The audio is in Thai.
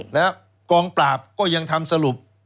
แล้วกองปราบก็ยังทำสรุป